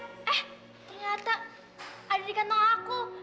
eh ternyata ada di kantong aku